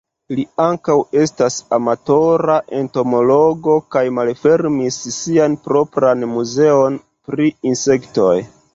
Li ankaŭ estas amatora entomologo kaj malfermis sian propran muzeon pri insektoj.